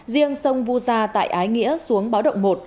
riêng sông vu gia tại ái nghĩa xuống báo động một